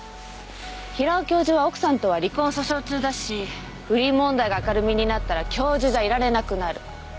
平尾教授は奥さんとは離婚訴訟中だし不倫問題が明るみになったら教授じゃいられなくなる。